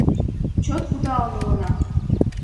Чот кудалын улына.